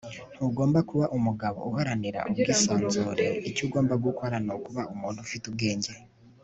ntugomba kuba umugabo uharanira ubwisanzure. icyo ugomba gukora ni ukuba umuntu ufite ubwenge